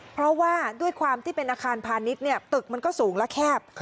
เพราะว่าด้วยความที่เป็นอาคารพาณิชย์ตึกมันก็สูงและแคบ